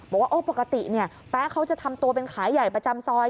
บอกว่าปกติเนี่ยแป๊ะเขาจะทำตัวเป็นขายใหญ่ประจำซอย